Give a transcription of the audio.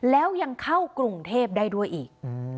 แล้วยังเข้ากรุงเทพได้ด้วยอีก